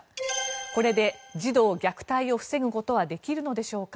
これで児童虐待を防ぐことはできるのでしょうか。